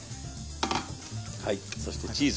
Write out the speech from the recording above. はいそしてチーズ。